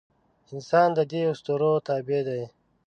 انسان د دې اسطورو تابع دی.